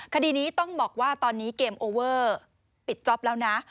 คดีนี้ต้องบอกว่าตอนนี้เกมโอเวอร์ปิดจ๊อปแล้วนะ